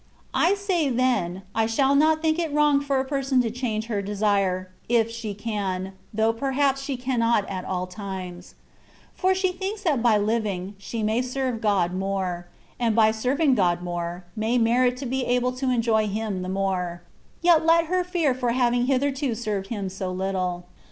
I say then, I shall not think it wrong for a person to change her desire, if she can (though perhaps she cannot at all times) ; for she thinks that by living, she may serve God more; and by serving God more, may merit to be able to enjoy Him the more ; yet let her fear for having hitherto served Him so little.